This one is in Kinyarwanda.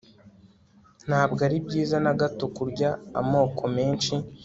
Ntabwo ari byiza na gato kurya amoko menshi